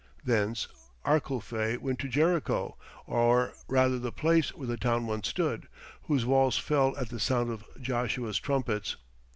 Thence, Arculphe went to Jericho, or rather the place where the town once stood, whose walls fell at the sound of Joshua's trumpets.